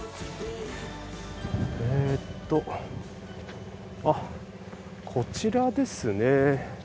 えっとこちらですね。